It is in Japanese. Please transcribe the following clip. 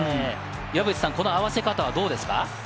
この合わせ方はどうですか？